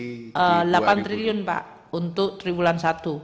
rp delapan triliun pak untuk triwulan satu